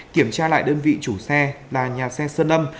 kiểm tra lại đơn vị chủ xe là nhà xe sơn lâm